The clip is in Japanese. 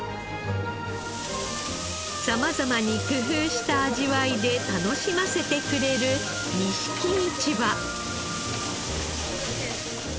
様々に工夫した味わいで楽しませてくれる錦市場。